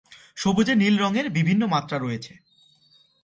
সবজে নীল রঙের বিভিন্ন মাত্রা রয়েছে।